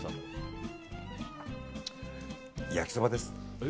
焼きそばです。